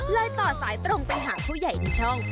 ต่อสายตรงไปหาผู้ใหญ่ในช่อง